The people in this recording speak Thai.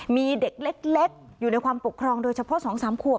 มีเด็กเล็กอยู่ในความปกครองโดยเฉพาะ๒๓ขวบ